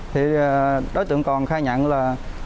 thì đối tượng còn khai nhận là